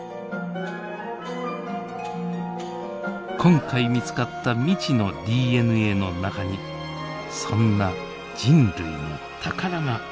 今回見つかった未知のＤＮＡの中にそんな人類の宝があるかもしれません。